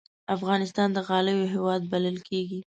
افغانستان د غالیو هېواد بلل کېږي.